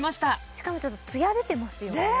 しかもちょっとツヤ出てますよねね